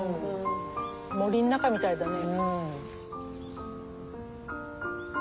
森の中みたいだね。